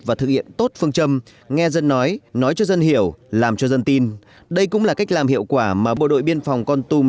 và thực hiện tốt phương châm nghe dân nói nói cho dân hiểu làm cho dân tin đây cũng là cách làm hiệu quả mà bộ đội biên phòng con tum